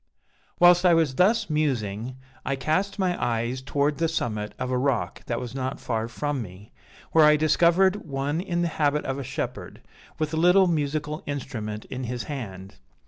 "Whilst I was thus musing, I cast my eyes towards the summit of a rock that was not far from me, where I discovered one in the habit of a shepherd, with a little musical instrument in his hand.